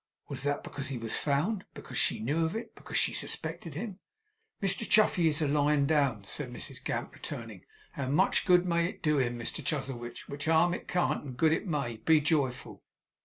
Was that because it was found? because she knew of it? because she suspected him? 'Mr Chuffey is a lyin' down,' said Mrs Gamp, returning, 'and much good may it do him, Mr Chuzzlewit, which harm it can't and good it may; be joyful!